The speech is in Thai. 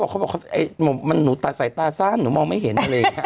เค้าบอกมันหนูใส่ตาซ่อนหนูมองไม่เห็น